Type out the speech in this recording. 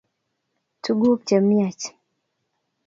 Tuguk chemiach